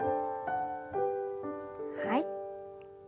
はい。